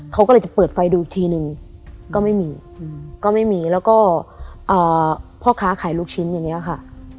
เขาก็เลยจะเปิดไฟดูอีกทีนึงก็ไม่มีก็ไม่มีแล้วก็พ่อค้าขายลูกชิ้นอย่างนี้ค่ะ